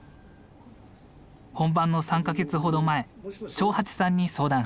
本番の３か月ほど前長八さんに相談した。